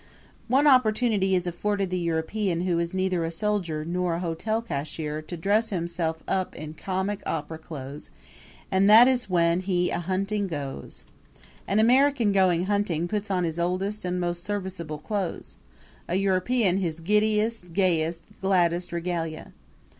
One opportunity is afforded the European who is neither a soldier nor a hotel cashier to dress himself up in comic opera clothes and that is when he a hunting goes. An American going hunting puts on his oldest and most serviceable clothes a European his giddiest, gayest, gladdest regalia.